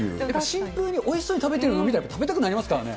シンプルにおいしそうに食べてるの見たら、食べたくなりますからね。